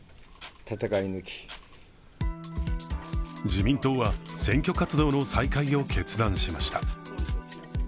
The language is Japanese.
自民党は、選挙活動の再開を決断しました。